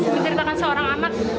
menceritakan seorang anak